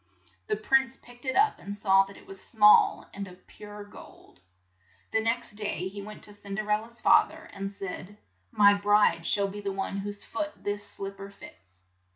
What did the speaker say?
The prince picked it up and saw that it was small and of pure gold. The next day he went to Cin der el la's fa ther and said, "My bride shall be the one whose foot this slip per fits."